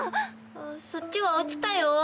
あっそっちは落ちたよ。